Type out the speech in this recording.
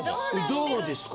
どうですか？